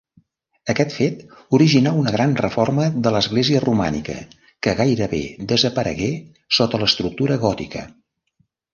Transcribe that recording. Aquest fet originà una gran reforma de l'església romànica que gairebé desaparegué sota l'estructura gòtica.